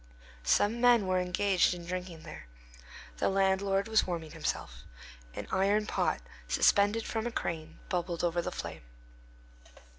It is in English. Some men were engaged in drinking there. The landlord was warming himself. An iron pot, suspended from a crane, bubbled over the flame.